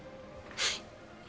はい。